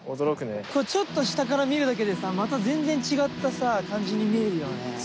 これちょっと下から見るだけでさまた全然違ったさ感じに見えるよね。